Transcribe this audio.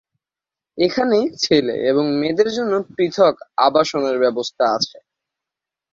এখানে ছেলে এবং মেয়েদের জন্য পৃথক আবাসনের ব্যবস্থা আছে।